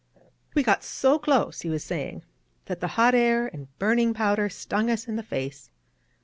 We got so close," he was saying, "that the hot air and burning powder stung us in the face.